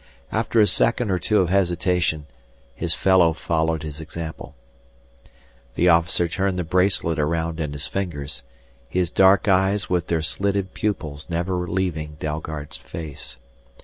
After a second or two of hesitation his fellow followed his example. The officer turned the bracelet around in his fingers, his dark eyes with their slitted pupils never leaving Dalgard's face.